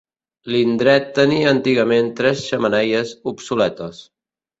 L'indret tenia antigament tres xemeneies obsoletes.